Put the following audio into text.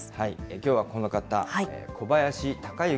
きょうはこの方、小林鷹之